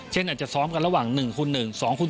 เช่นจะซ้อมกันระหว่าง๑คุณ๑๒คุณ๒หรือ๓คุณ๓